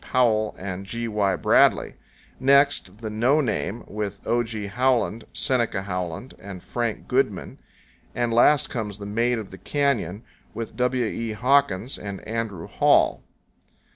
Powell and G. Y. Bradley; next, the "No Name," with O. G. Howland, Seneca Howland, and Frank Goodman; and last comes the "Maid of the Canyon," with W. E. Hawkins and Andrew Hall.